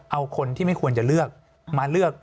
เอาคนที่ไม่ควรจะเลือกมาเลือก